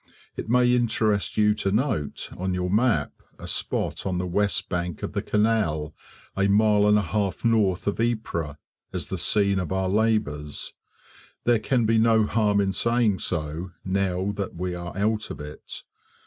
It may interest you to note on your map a spot on the west bank of the canal, a mile and a half north of Ypres, as the scene of our labours. There can be no harm in saying so, now that we are out of it.